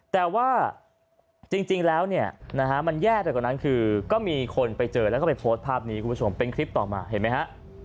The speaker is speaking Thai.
แต่ว่าจริงแล้วเนี่ยนะฮะมันแย่ไปกว่านั้นคือก็มีคนไปเจอแล้วก็ไปโพสต์ภาพนี้คุณผู้ชมเป็นคลิปต่อมาเห็นไหมฮะ